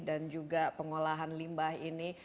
dan juga pengolahan limbah ini